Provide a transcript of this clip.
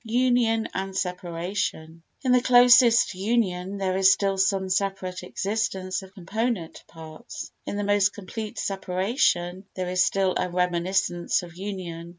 Union and Separation In the closest union there is still some separate existence of component parts; in the most complete separation there is still a reminiscence of union.